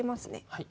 はい。